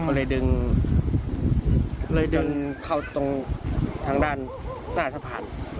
มันเลยดึงเลยดึงเข้าตรงทางด้านหน้าสะพาน